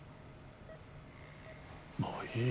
もういい。